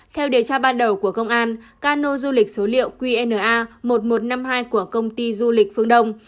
theo điều tra ban đầu của công an cano du lịch số liệu qna một nghìn một trăm năm mươi hai của công ty du lịch phương đông